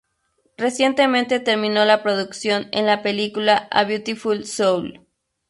Recientemente terminó la producción en la película "A Beautiful Soul".